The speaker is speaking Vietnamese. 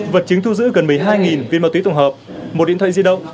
vật chứng thu giữ gần một mươi hai viên ma túy tổng hợp một điện thoại di động